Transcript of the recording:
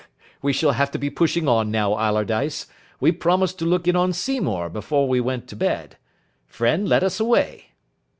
We shall have to be pushing on now, Allardyce. We promised to look in on Seymour before we went to bed. Friend let us away."